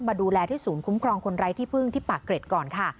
ดูแลที่ศูนย์คุ้มครองคนไร้ที่พึ่งที่ปากเกร็ดก่อนค่ะ